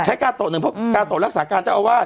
กาโตะหนึ่งเพราะกาโตะรักษาการเจ้าอาวาส